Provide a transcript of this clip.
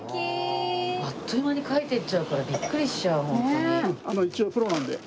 あっという間に描いていっちゃうからビックリしちゃうホントに。